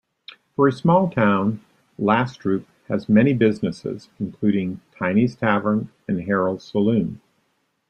For a small town, Lastrup has many businesses, including Tiny's Tavern and Harold's Saloon.